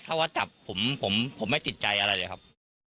เลยว่าผมไม่ติดใจอะไรเลยครับ